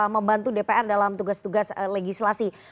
membantu dpr dalam tugas tugas legislasi